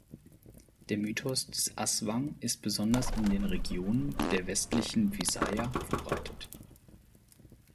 Der Mythos des Aswang ist besonders in den Regionen der westlichen Visayas verbreitet.